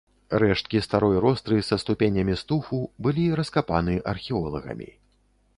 Рэшткі старой ростры са ступенямі з туфу былі раскапаны археолагамі.